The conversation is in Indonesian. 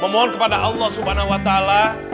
memohon kepada allah subhanahu wa ta'ala